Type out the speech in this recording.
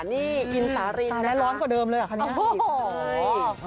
นี่อินสารินนะคะ